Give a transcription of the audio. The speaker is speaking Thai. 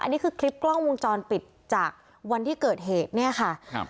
อันนี้คือคลิปกล้องวงจรปิดจากวันที่เกิดเหตุเนี่ยค่ะครับ